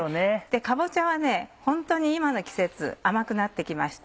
かぼちゃはホントに今の季節甘くなって来ました。